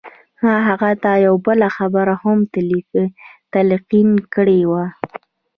ما هغه ته يوه بله خبره هم تلقين کړې وه.